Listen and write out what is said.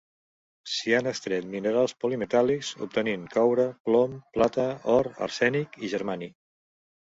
S'hi han extret minerals polimetàl·lics obtenint coure, plom, plata, or, arsènic i germani.